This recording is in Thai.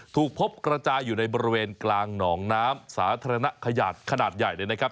ถูกพบกระจายอยู่ในบริเวณกลางหนองน้ำสาธารณะขยาดขนาดใหญ่เลยนะครับ